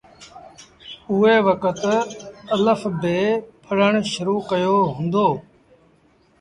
اُئي وکت الڦ بي پڙهڻ شرو ڪيو هُݩدو۔